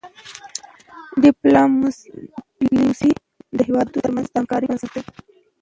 ډيپلوماسي د هیوادونو ترمنځ د همکاری بنسټ دی.